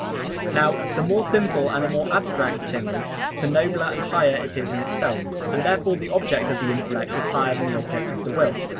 Now the more simple and the more abstract a thing is, the nobler and higher it is in itself; and therefore the object of the intellect is higher than the object of the will.